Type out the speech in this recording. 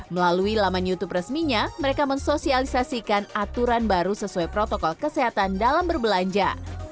melalui laman youtube resminya mereka mensosialisasikan aturan baru sesuai protokol kesehatan dalam berbelanja